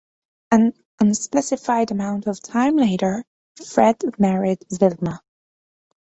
An unspecified amount of time later, Fred married Wilma.